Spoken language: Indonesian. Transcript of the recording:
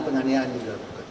penganehan juga bukan